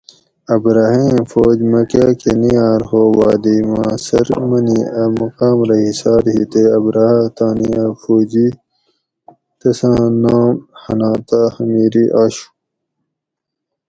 ابرھہ ایں فوج مکہ کہ نیاۤر ہو وادی محسر منی ا مقام رہ ھِسار ہی تے ابرھہ اۤ تانی اۤ فوجی تساں نام حناطہ حمیری آشو